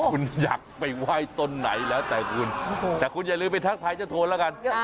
คุณอยากไปไหว้ต้นไหนละแต่คุณแต่คุณอย่าลืมไปทั้งไทยจะโทนละกัน